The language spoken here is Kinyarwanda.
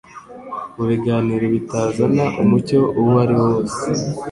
mu biganiro bitazana umucyo uwo ariwo wose.